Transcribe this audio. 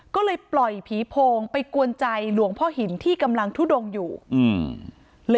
ก็เลยปล่อยผีโพงไปกวนใจหลวงพ่อหินที่กำลังทุดงอยู่อืม